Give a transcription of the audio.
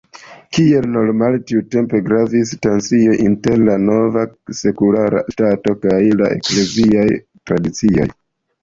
Kiel normale tiutempe, gravis tensioj inter la nova sekulara ŝtato kaj la ekleziaj tradicioj.